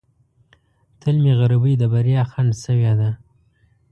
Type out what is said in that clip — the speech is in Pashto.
تل مې غریبۍ د بریا خنډ شوې ده.